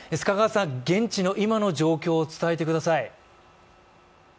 現地の今の状況を伝えてください。